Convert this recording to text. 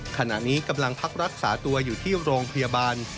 ขณะนี้กำลังพักรักษาตัวอยู่ที่โรงพยาบาล